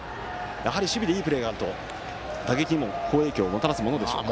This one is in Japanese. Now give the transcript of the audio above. やはり守備でいいプレーがあると打撃にも好影響をもたらしますか。